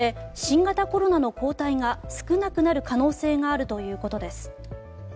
抗がん剤を使うことで新型コロナの抗体が少なくなる可能性があるということです。